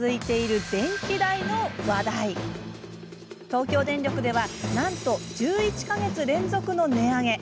東京電力ではなんと１１か月連続の値上げ。